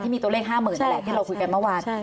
ที่มีตัวเลขห้าหมื่นอะไรที่เราคุยกันเมื่อวาน